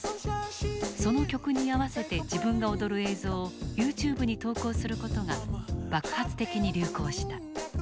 その曲に合わせて自分が踊る映像をＹｏｕＴｕｂｅに投稿することが爆発的に流行した。